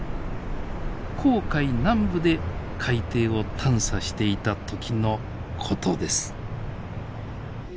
紅海南部で海底を探査していた時のことです。